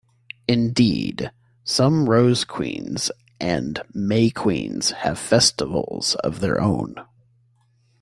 Indeed, some Rose Queens and May Queens have festivals of their own.